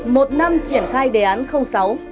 một năm triển khai đề án sáu